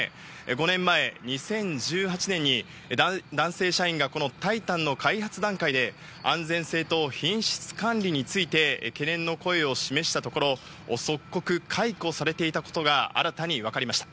５年前、２０１８年に男性社員がこの「タイタン」の開発段階で安全性と品質管理について懸念の声を示したところ即刻解雇されていたことが新たに分かりました。